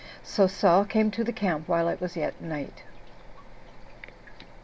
So Saul came to the camp while it was yet night.